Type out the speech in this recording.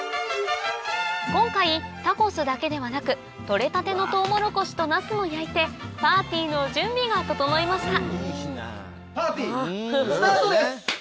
今回タコスだけではなく取れたてのトウモロコシとナスも焼いてパーティーの準備が整いました